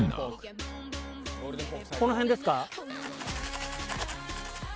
この辺ですか？